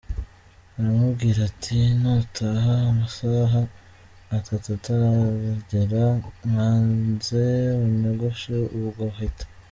aramubwira ati ntutahe amasaha atatu ataragera ngo nze unyogoshe, ubwo ahita.